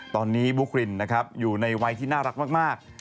ตอนนี้บุ๊กรินนะครับอยู่ในวัยที่น่ารักมาก